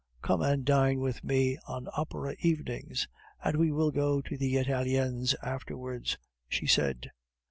"Come and dine with me on opera evenings, and we will go to the Italiens afterwards," she said.